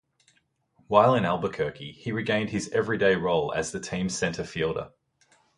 While in Albuquerque, he regained his everyday role as the team's center fielder.